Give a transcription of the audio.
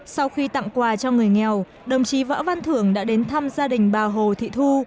sau khi tặng quà cho người nghèo đồng chí võ văn thưởng đã đến thăm gia đình bà hồ thị thu